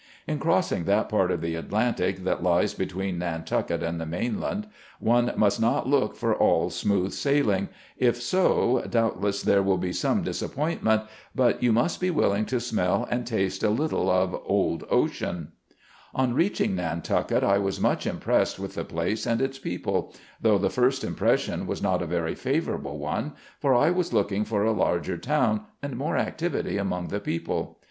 In crossing that part of the Atlantic that lies between Nantucket and the main land, one must not look for all smooth sailing, if so, doubtless there will be some disappointment, but you must be willing to smell and taste a little of "old Ocean" On reaching Nantucket I was much impressed with the place and its people, though the first impression was not a very favorable one, for I was looking for a larger town and more activity among the people.